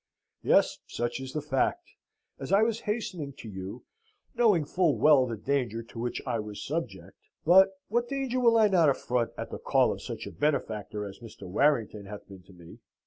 "Yes. Such is the fact. As I was hastening to you, knowing full well the danger to which I was subject: but what danger will I not affront at the call of such a benefactor as Mr. Warrington hath been to me?